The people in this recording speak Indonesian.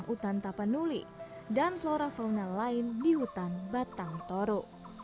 hutan tapanuli dan flora fauna lain di hutan batang toru